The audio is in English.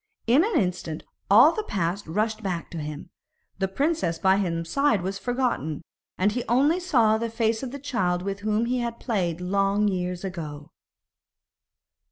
In an instant all the past rushed back to him; the princess by his side was forgotten, and he only saw the face of the child with whom he had played long years ago.